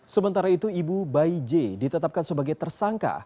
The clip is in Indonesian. sementara itu ibu bayi j ditetapkan sebagai tersangka